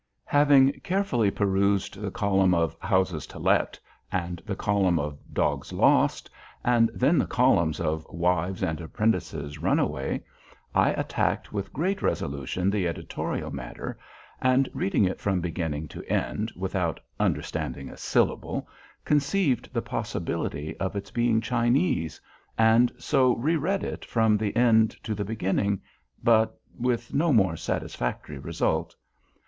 Having carefully perused the column of "Houses to let," and the column of "Dogs lost," and then the columns of "Wives and apprentices runaway," I attacked with great resolution the editorial matter, and reading it from beginning to end without understanding a syllable, conceived the possibility of its being Chinese, and so re read it from the end to the beginning, but with no more satisfactory result.